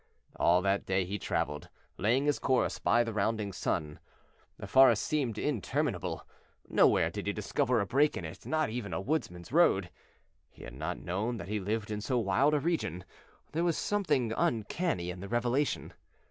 All that day he traveled, laying his course by the rounding sun. The forest seemed interminable; nowhere did he discover a break in it, not even a woodman's road. He had not known that he lived in so wild a region. There was something uncanny in the revelation.